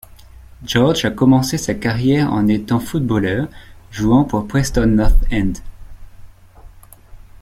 George a commencé sa carrière en étant footballeur, jouant pour Preston North End.